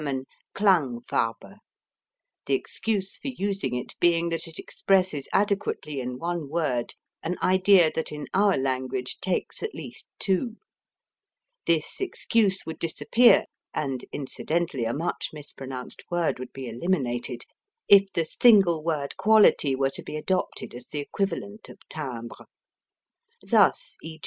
Klang farbe), the excuse for using it being that it expresses adequately in one word an idea that in our language takes at least two: this excuse would disappear (and incidentally a much mispronounced word would be eliminated) if the single word quality were to be adopted as the equivalent of timbre. Thus, _e.